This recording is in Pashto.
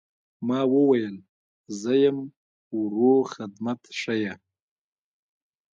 ما وويل زه يم وروه خدمت ښييه.